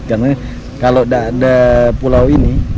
karena kalau gak ada pulau ini